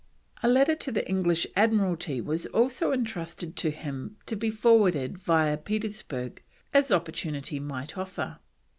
A letter to the English Admiralty was also entrusted to him to be forwarded via Petersburg, as opportunity might offer.